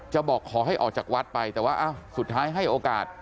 บอกขอให้ออกจากวัดไปแต่ว่าสุดท้ายให้โอกาส